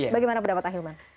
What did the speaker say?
bagaimana pendapat ahilman